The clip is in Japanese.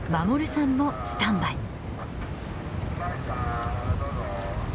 守さんもスタンバイ。